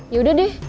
ya udah deh